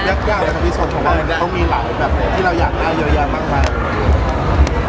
เลือกยากเลยครับพี่สนเพราะว่ามันต้องมีหลายแบบที่เราอยากได้เยอะแยะมาก